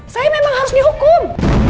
saya memang harus dihukum